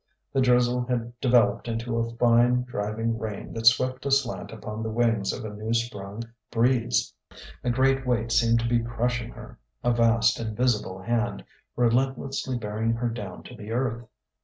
The drizzle had developed into a fine, driving rain that swept aslant upon the wings of a new sprung breeze. A great weight seemed to be crushing her: a vast, invisible hand relentlessly bearing her down to the earth.